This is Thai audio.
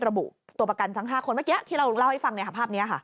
ระบุตัวประกันทั้ง๕คนเมื่อกี้ที่เราเล่าให้ฟังภาพนี้ค่ะ